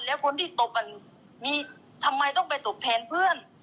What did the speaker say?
แล้วคนที่ตบกันมีทำไมต้องไปตบแทนเพื่อน